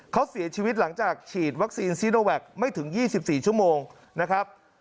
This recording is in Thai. เขาเสียชีวิตหลังจากฉีดวัคซีนซีโนแวคไม่ถึง๒๔ชั่วโมงนะครับ